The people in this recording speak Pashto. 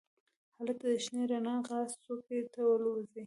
هلته د شنې رڼا غره څوکې ته والوزي.